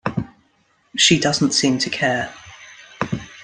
She doesn't seem to care.